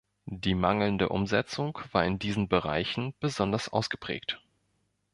Die mangelnde Umsetzung war in diesen Bereichen besonders ausgeprägt.